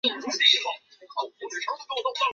富察善属镶黄旗满洲沙济富察氏第十世。